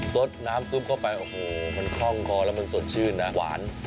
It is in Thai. ซดน้ำซุปเข้าไปโอ้โฮมันคร่องครอบและมันสดชื่น